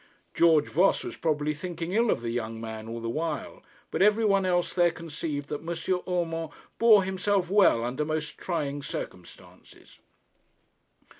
George Voss was probably thinking ill of the young man all the while; but every one else there conceived that M. Urmand bore himself well under most trying circumstances.